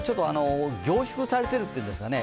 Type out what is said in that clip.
凝縮されてるっていうんですかね